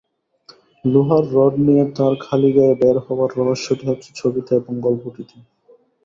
লোহার রড নিয়ে তার খালিগায়ে বের হবার রহস্যটি হচ্ছে ছবিতে এবং গল্পটিতে।